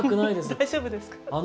大丈夫ですか？